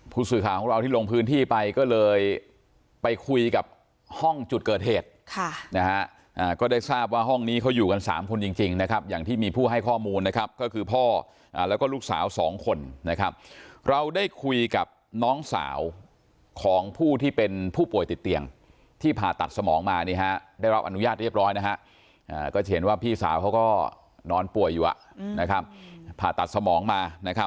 ผู้สื่อข่าวของเราที่ลงพื้นที่ไปก็เลยไปคุยกับห้องจุดเกิดเหตุค่ะนะฮะก็ได้ทราบว่าห้องนี้เขาอยู่กัน๓คนจริงนะครับอย่างที่มีผู้ให้ข้อมูลนะครับก็คือพ่อแล้วก็ลูกสาวสองคนนะครับเราได้คุยกับน้องสาวของผู้ที่เป็นผู้ป่วยติดเตียงที่ผ่าตัดสมองมานี่ฮะได้รับอนุญาตเรียบร้อยนะฮะก็จะเห็นว่าพี่สาวเขาก็นอนป่วยอยู่นะครับผ่าตัดสมองมานะครับ